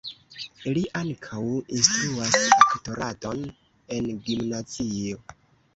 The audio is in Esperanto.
Li ankaŭ instruas aktoradon en gimnazio.